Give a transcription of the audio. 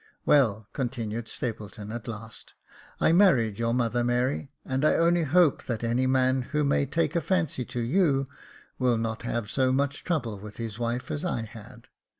"Well," continued Stapleton, at last, "I married your mother, Mary, and I only hope that any man who may take a fancy to you, will not have so much trouble with his wife as I had.